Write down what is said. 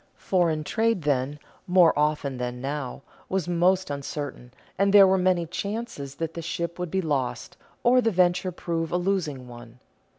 Foreign trade then, more often than now, was most uncertain, and there were many chances that the ship would be lost, or the venture prove a losing one.